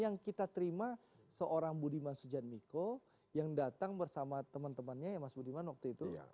yang kita terima seorang budiman sujan miko yang datang bersama teman temannya ya mas budiman waktu itu